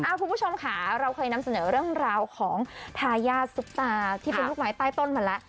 คุณผู้ชมค่ะเราเคยนำเสนอเรื่องราวของทายาทซุปตาที่เป็นลูกไม้ใต้ต้นมาแล้ว